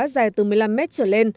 dài từ một mươi năm m trở lên